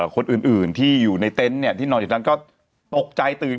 คนอื่นที่อยู่ในเต็นต์ที่นอนอยู่นั้นก็ตกใจตื่น